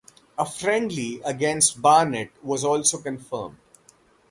A friendly against Barnet was also confirmed.